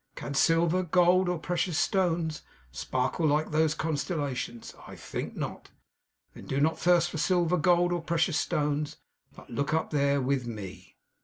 Can silver, gold, or precious stones, sparkle like those constellations! I think not. Then do not thirst for silver, gold, or precious stones; but look up there, with me!